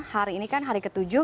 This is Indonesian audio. hari ini kan hari ketujuh